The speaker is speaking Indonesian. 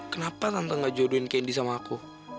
kenapa tante gak jodohin kendi sama aku